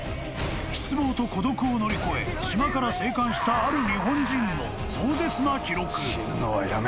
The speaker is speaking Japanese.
失望と孤独を乗り越え島から生還したある日本人の壮絶な記録。